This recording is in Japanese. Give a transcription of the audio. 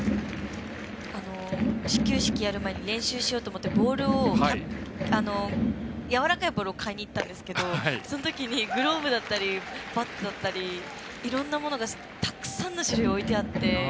始球式やる前に練習しようと思ってやわらかいボールを買いにいったんですけどそのときに、グローブだったりバットだったりいろんなものがたくさんの種類、置いてあって。